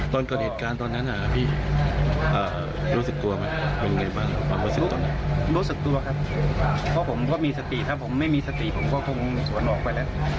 ถ้ามีเรื่องกับใครปุ๊บอนาคตผมจบหมดเลย